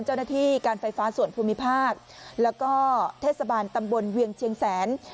เจ้าหน้าที่การไฟฟ้าส่วนภูมิภาคแล้วก็เทศบาลตำบลเวียงเชียงแสน